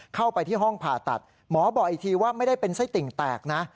เข้าไปที่ห้องผ่าตัดหมอบอกอีกทีว่าไม่ได้เป็นไส้ติ่งแตกนะ